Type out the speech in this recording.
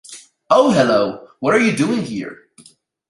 Oh hello, what are you doing here?